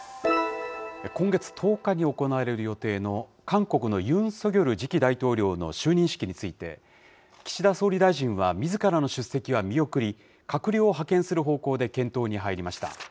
今月１０日に行われる予定の、韓国のユン・ソギョル次期大統領の就任式について、岸田総理大臣はみずからの出席は見送り、閣僚を派遣する方向で検討に入りました。